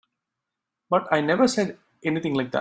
But I never said anything like that.